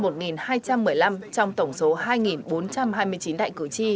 trong tổng số hai bốn trăm hai mươi chín đại cử tri